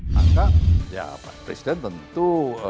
maka ya presiden tentu